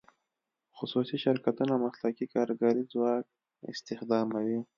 خصوصي شرکتونه مسلکي کارګري ځواک استخداموي.